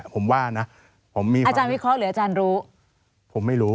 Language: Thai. ผมว่านะผมมีความรู้สึกว่าอาจารย์วิเคราะห์หรืออาจารย์รู้